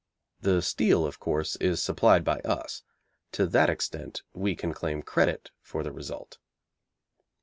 The steel, of course, is supplied by us. To that extent we can claim credit for the result.